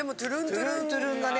トゥルントゥルンがね。